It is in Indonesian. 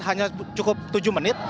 hanya cukup tujuh menit